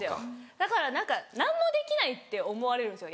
だから何か何もできないって思われるんですよ。